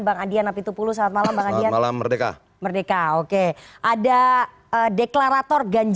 bang ade oke sehat